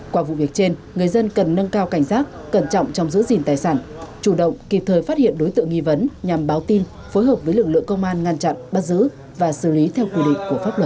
qua vụ việc trên người dân cần nâng cao cảnh giác cẩn trọng trong giữ gìn tài sản chủ động kịp thời phát hiện đối tượng nghi vấn nhằm báo tin phối hợp với lực lượng công an ngăn chặn bắt giữ và xử lý theo quy định của pháp luật